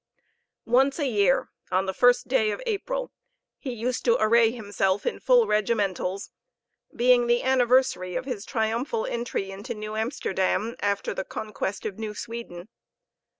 Once a year, on the first day of April, he used to array himself in full regimentals, being the anniversary of his triumphal entry into New Amsterdam, after the conquest of New Sweden.